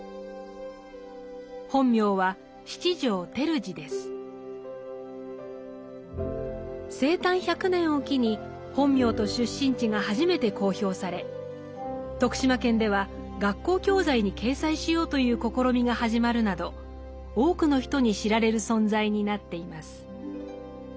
本名は生誕１００年を機に本名と出身地が初めて公表され徳島県では学校教材に掲載しようという試みが始まるなど多くの人に知られる存在になっています。